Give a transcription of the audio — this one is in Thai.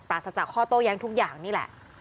ศจากข้อโต้แย้งทุกอย่างนี่แหละ